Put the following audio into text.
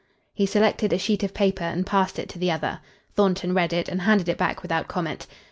He selected a sheet of paper and passed it to the other. Thornton read it and handed it back without comment.